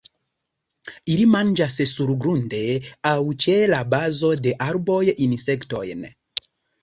Ili manĝas surgrunde aŭ ĉe la bazo de arboj insektojn.